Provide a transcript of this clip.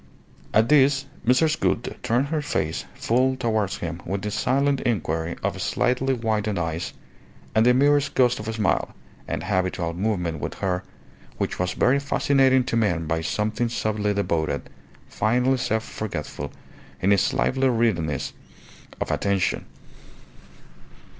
At this Mrs. Gould turned her face full towards him with the silent inquiry of slightly widened eyes and the merest ghost of a smile, an habitual movement with her, which was very fascinating to men by something subtly devoted, finely self forgetful in its lively readiness of attention.